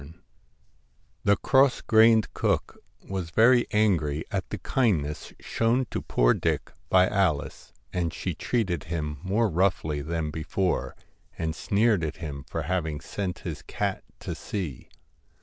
TINGTON AND HIS The cross grained cook was very angry at the CAT kindness shown to poor Dick by Alice, and she treated him more roughly than before, and sneered at him for having sent his cat to sea.